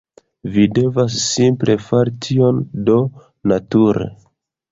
Vi devas simple fari tion... do nature...